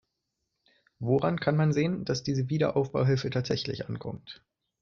Woran kann man sehen, dass diese Wiederaufbauhilfe tatsächlich ankommt?